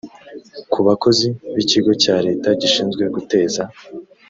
ku bakozi b ikigo cya leta gishinzwe guteza